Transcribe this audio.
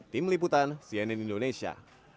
tim liputan cnn indonesia